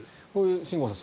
新郷さん